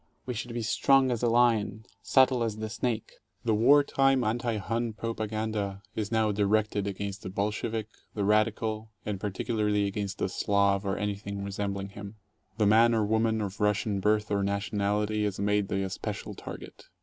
We should be strong as a lion, subtle as the snake. IV The war time anti Hun propaganda is now directed against the "Bolshevik," "the radical," and particularly against the Slav or 12 anything resembling him. The man or woman of Russian birth or nationality is made the especial target.